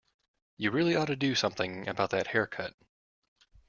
You really ought to do something about that haircut.